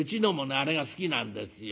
あれが好きなんですよ。